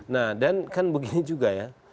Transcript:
nah dan kan begini juga ya